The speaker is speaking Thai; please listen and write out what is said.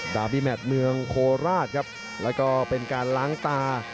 ดาบีแมทเมืองโคราชครับแล้วก็เป็นการล้างตา